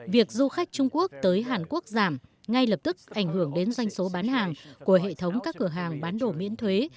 việc du khách trung quốc tới hàn quốc giảm ngay lập tức ảnh hưởng đến doanh số bán hàng của hệ thống các cửa hàng bán đồ miễn thuế